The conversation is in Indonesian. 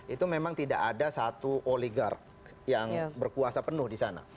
itu memang tidak ada satu oligark yang berkuasa penuh di sana